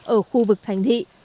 ở khu vực thành thị